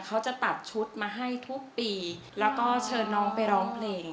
เขาจะตัดชุดมาให้ทุกปีแล้วก็เชิญน้องไปร้องเพลง